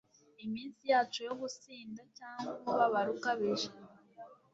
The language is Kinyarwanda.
iminsi yacu yo gusinda cyangwa umubabaro ukabije